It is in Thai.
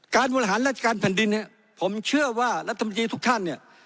บริหารราชการแผ่นดินเนี่ยผมเชื่อว่ารัฐมนตรีทุกท่านเนี่ย